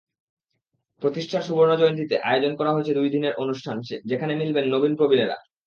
প্রতিষ্ঠার সুবর্ণজয়ন্তীতে আয়োজন করা হয়েছে দুই দিনের অনুষ্ঠান, যেখানে মিলবেন নবীন-প্রবীণেরা।